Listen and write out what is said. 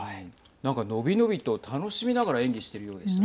何か伸び伸びと楽しみながら演技しているようでしたね。